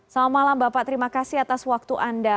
selamat malam bapak terima kasih atas waktu anda